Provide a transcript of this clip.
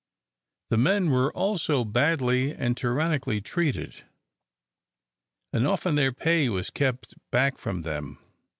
The men were also badly and tyrannically treated; and often their pay was kept back from them.